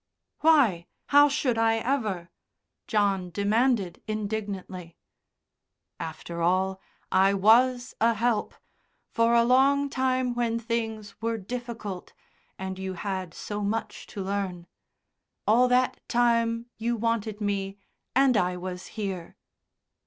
"Why, how should I ever?" John demanded indignantly. "After all, I was a help for a long time when things were difficult and you had so much to learn all that time you wanted me, and I was here."